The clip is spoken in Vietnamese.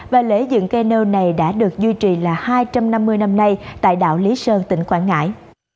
và lễ dựng cây nêu này đã được duy trì là hai trăm năm mươi năm nay tại đảo lý sơn tỉnh quảng ngãi